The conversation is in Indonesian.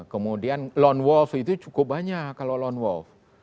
kemudian lone wolf itu cukup banyak kalau lone wolf